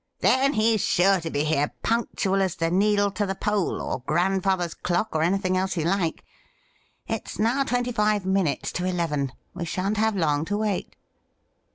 ' Then, he's sure to be here punctual as the needle to the pole, or grandfather's clock, or anything else you like. It's now twenty five minutes to eleven. We shan't have long to wait.'